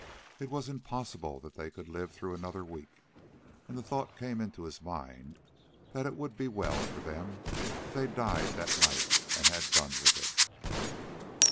It was impossible that they could live through another week, and the thought came into his mind that it would be well for them if they died that night and had done with it.